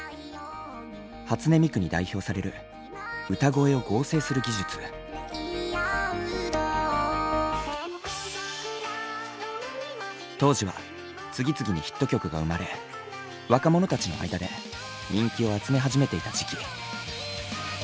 初音ミクに代表される当時は次々にヒット曲が生まれ若者たちの間で人気を集め始めていた時期。